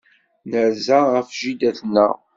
Nerza ɣef jida-tneɣ.